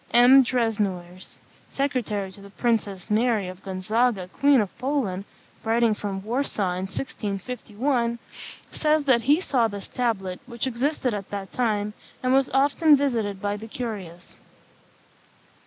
M. Desnoyers, secretary to the Princess Mary of Gonzaga, Queen of Poland, writing from Warsaw in 1651, says that he saw this tablet, which existed at that time, and was often visited by the curious.